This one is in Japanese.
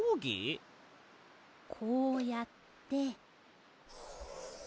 こうやって。